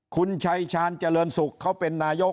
คุณชัยชาญเจริญสุขเขาเป็นนายก